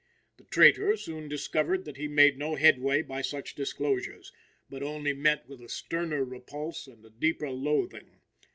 The traitor soon discovered that he made no headway by such disclosures, but only met with a sterner repulse and a deeper loathing.